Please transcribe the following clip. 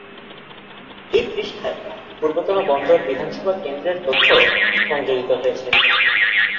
এই পৃষ্ঠায় পূর্বতন বন্দর বিধানসভা কেন্দ্রের তথ্যও সংযোজিত হয়েছে।